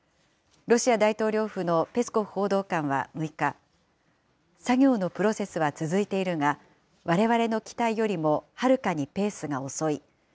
ロシア大統領府のペスコフ報道官は６日、作業のプロセスは続いているが、われわれの期待よりもはるかにペースが遅い。